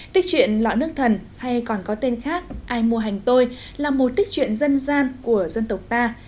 tích chuyện lọ nước thần hay còn có tên khác ai mua hành tôi là một tích truyện dân gian của dân tộc ta